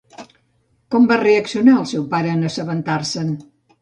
Com va reaccionar el seu pare en assabentar-se'n?